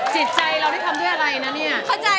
จิตใจเรานี่ทำด้วยอะไรนะเนี่ย